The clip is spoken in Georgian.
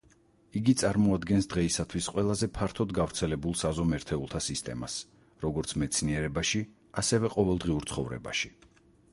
იგი წარმოადგენს დღეისათვის ყველაზე ფართოდ გავრცელებულ საზომ ერთეულთა სისტემას, როგორც მეცნიერებაში ასევე ყოველდღიურ ცხოვრებაში.